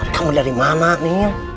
kamu dari mana niel